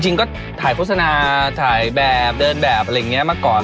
จริงก็ถ่ายโฆษณาถ่ายแบบเดินแบบอะไรอย่างนี้มาก่อน